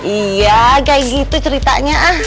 iya kayak gitu ceritanya ah